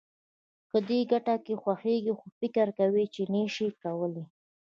که دې ګټه خوښېږي خو فکر کوې چې نه يې شې کولای.